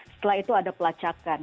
setelah itu ada pelacakan